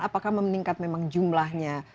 apakah memang meningkat jumlahnya